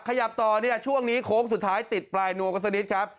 ขยับต่อเนี่ยช่วงนี้โค้งสุดท้ายติดปลายนัวกันสักนิดครับ